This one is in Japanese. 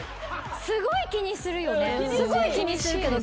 すごい気にするけど。